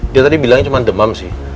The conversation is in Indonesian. dia tadi bilangnya cuma demam sih